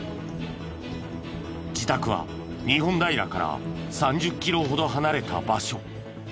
自宅は日本平から３０キロほど離れた場所。